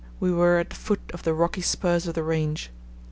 we were at the foot of the rocky spurs of the range.